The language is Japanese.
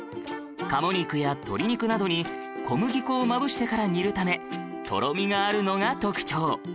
鴨肉や鶏肉などに小麦粉をまぶしてから煮るためとろみがあるのが特徴